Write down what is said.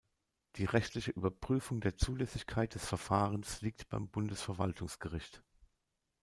Die rechtliche Überprüfung der Zulässigkeit des Verfahrens liegt beim Bundesverwaltungsgericht.